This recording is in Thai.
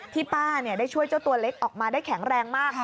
ป้าได้ช่วยเจ้าตัวเล็กออกมาได้แข็งแรงมาก